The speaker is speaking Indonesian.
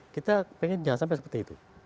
kita pengen jangan sampai seperti itu